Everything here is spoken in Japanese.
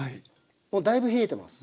もうだいぶ冷えてます。